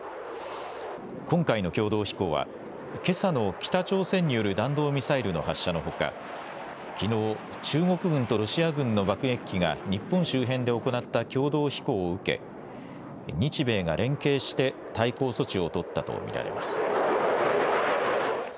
今回の共同飛行は、けさの北朝鮮による弾道ミサイルの発射のほかきのう中国軍とロシア軍の爆撃機が日本周辺で行った共同飛行を受け日米が連携して対抗措置を取ったと見られます。